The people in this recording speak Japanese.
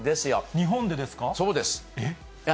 日本でですか？